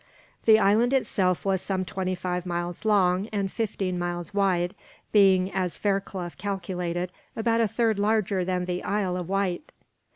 The island itself was some twenty five miles long and fifteen miles wide; being, as Fairclough calculated, about a third larger than the Isle of Wight.